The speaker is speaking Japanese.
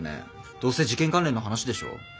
どうせ事件関連の話でしょう？